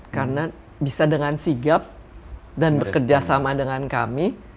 karena bisa dengan sigap dan bekerja sama dengan kami